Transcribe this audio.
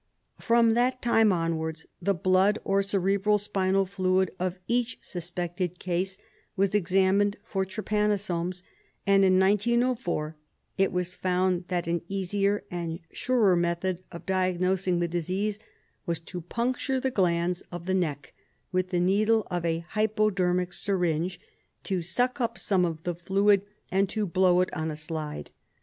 From that time onwards the blood or cerebro spinal fluid of each suspected case was examined for trypanosomes, and in 1904 it was found that an easier and surer method of diagnosing the disease was to puncture the glands of the neck with the needle of a hypodermic syringe, to suck up some of the fluid, and to blow it on a slide.